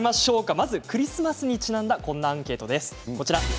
まずクリスマスにちなんだこんなアンケートです。